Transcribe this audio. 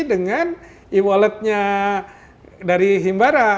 dengan e walletnya dari himbara